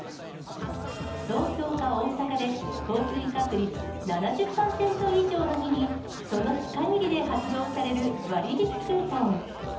東京か大阪で、降水確率７０％以上の日に、その日限りで発動される割引クーポン。